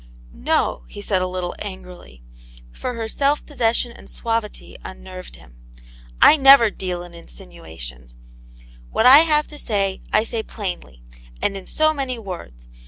"No," he said, a little angrily, for her self pos session and suavity unnerved him, I never deal in insinuations. What I have to say I^say plainly, and in so many words.